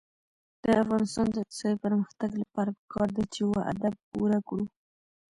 د افغانستان د اقتصادي پرمختګ لپاره پکار ده چې وعده پوره کړو.